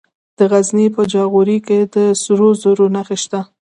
د غزني په جاغوري کې د سرو زرو نښې شته.